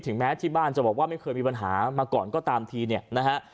แม้ที่บ้านจะบอกว่าไม่เคยมีปัญหามาก่อนก็ตามทีเนี่ยนะฮะ